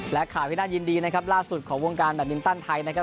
และข่าวที่น่ายินดีนะครับล่าสุดของวงการแบตมินตันไทยนะครับ